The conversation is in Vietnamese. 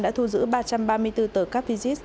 đã thu giữ ba trăm ba mươi bốn tờ capisis